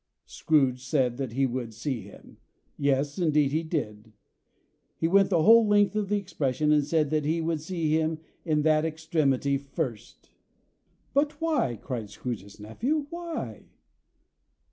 Scrooge said that he would see him yes, indeed he did. He went the whole length of the expression, and said that he would see him in that extremity first. "But why?" cried Scrooge's nephew, "Why?"